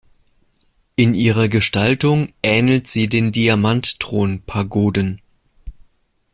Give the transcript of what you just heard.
In ihrer Gestaltung ähnelt sie den Diamantthron-Pagoden.